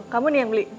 kamu nih yang beli